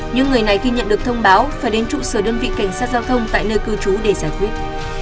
những người này khi nhận được thông báo phải đến trụ sở đơn vị cảnh sát giao thông tại nơi cư trú để giải quyết